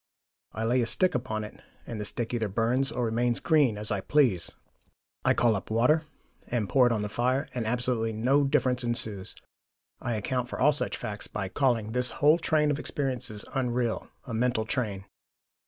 I lay a stick upon it and the stick either burns or remains green, as I please. I call up water, and pour it on the fire, and absolutely no difference ensues. I account for all such facts by calling this whole train of experiences unreal, a mental train.